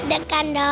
cuma deg degan doang